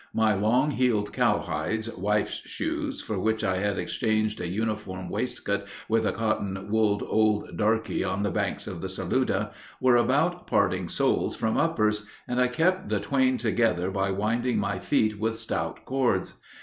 My long heeled cowhides, "wife's shoes," for which I had exchanged a uniform waistcoat with a cotton wooled old darky on the banks of the Saluda, were about parting soles from uppers, and I kept the twain together by winding my feet with stout cords.